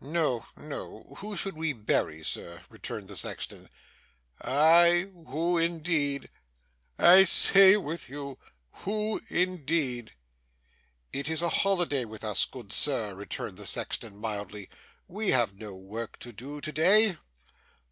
'No, no! Who should we bury, Sir?' returned the sexton. 'Aye, who indeed! I say with you, who indeed!' 'It is a holiday with us, good Sir,' returned the sexton mildly. 'We have no work to do to day.